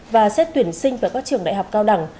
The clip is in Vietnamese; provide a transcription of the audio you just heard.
và xét tuyển sinh vào các trường đại học cao đẳng